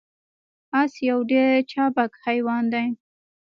اس یو ډیر چابک حیوان دی